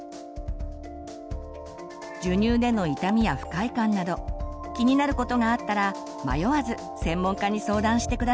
授乳での痛みや不快感など気になることがあったら迷わず専門家に相談して下さいね。